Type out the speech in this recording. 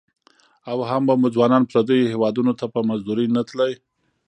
او هم به مو ځوانان پرديو هيوادنو ته په مزدورۍ نه تلى.